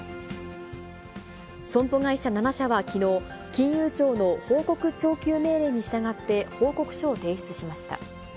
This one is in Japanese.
損保会社７社はきのう、金融庁の報告徴求命令に従って報告書を提出しました。